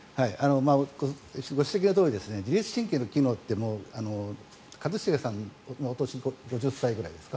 ご指摘のとおり自律神経の機能って一茂さんのお年５０歳くらいですか？